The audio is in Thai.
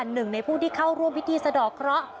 หนึ่งในผู้ที่เข้าร่วมพิธีสะดอกเคราะห์